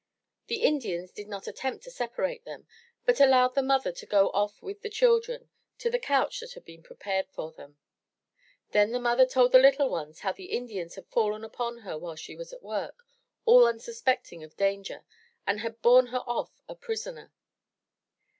The Indians did not attempt to separate them, but allowed the mother to go off with the 368 THE TREASURE CHEST children to the couch that had been prepared for them. Then the mother told the little ones how the Indians had fallen upon her while she was at work, all unsuspecting of danger, and had borne her off a prisoner.